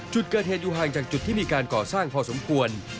จุดเกิดเหตุอยู่ห่างจากจุดที่มีการก่อสร้างพอสมควร